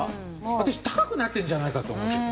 私高くなってるんじゃないかと思うけど。